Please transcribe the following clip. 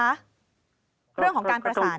เรื่องของการประสาน